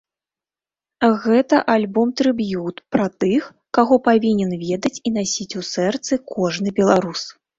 Гэта альбом-трыб'ют пра тых, каго павінен ведаць і насіць у сэрцы кожны беларус.